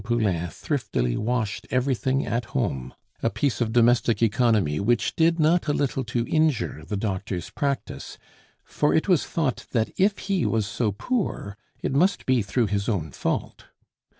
Poulain thriftily washed everything at home; a piece of domestic economy which did not a little to injure the doctor's practice, for it was thought that if he was so poor, it must be through his own fault.